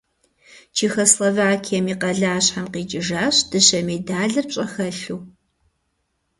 Чехословакием и къалащхьэм къикӀыжащ дыщэ медалыр пщӀэхэлъу.